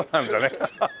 アハハハ！